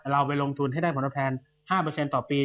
เราไปลงทุนให้ได้ผลตอบแทน๕ต่อปี